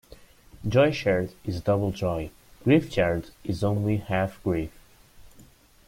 Joy shared is double joy; grief shared is only half grief.